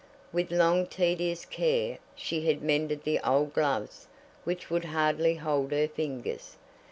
With long tedious care she had mended the old gloves which would hardly hold her fingers.